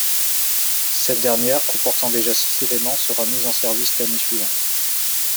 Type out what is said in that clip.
Cette dernière, comportant déjà six éléments, sera mise en service l'année suivante.